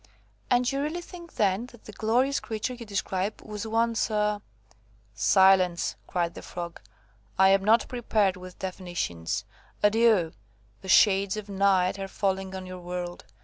"And you really think, then, that the glorious creature you describe, was once a–" "Silence," cried the Frog; "I am not prepared with definitions. Adieu! the shades of night are falling on your world.